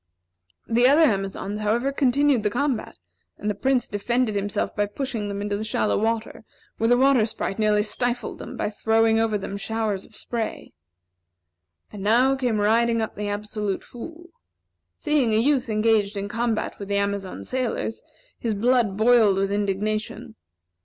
The other Amazons, however, continued the combat; and the Prince defended himself by pushing them into the shallow water, where the Water Sprite nearly stifled them by throwing over them showers of spray. And now came riding up the Absolute Fool. Seeing a youth engaged in combat with the Amazon sailors, his blood boiled with indignation.